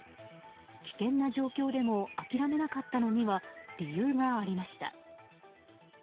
危険な状況でも諦めなかったのには理由がありました。